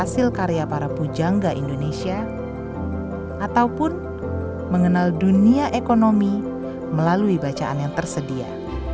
saya bisa belajar mengenal dunia ekonomi melalui bacaan yang tersedia